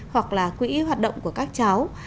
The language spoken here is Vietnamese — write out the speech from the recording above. hoặc là quỹ hoạt động của các cháu